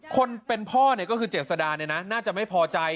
คนเป็นพ่อเนี่ยก็คือเจษฎาเนี่ยนะน่าจะไม่พอใจ